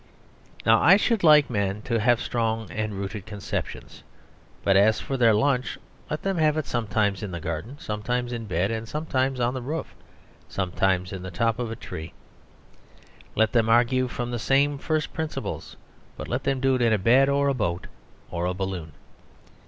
Now, I should like men to have strong and rooted conceptions, but as for their lunch, let them have it sometimes in the garden, sometimes in bed, sometimes on the roof, sometimes in the top of a tree. Let them argue from the same first principles, but let them do it in a bed, or a boat, or a balloon.